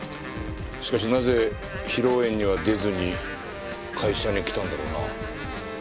しかしなぜ披露宴には出ずに会社に来たんだろうな。